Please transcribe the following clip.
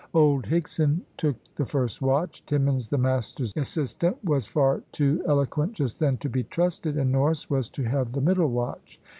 Old Higson took the first watch. Timmins, the master's assistant was far too eloquent just then to be trusted, and Norris was to have the middle watch.